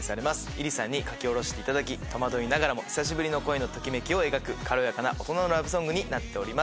ｉｒｉさんに書き下ろしていただき戸惑いながらも久しぶりの恋のときめきを描く軽やかな大人のラブソングになっております。